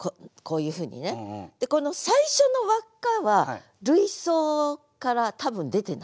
でこの最初の輪っかは類想から多分出てない。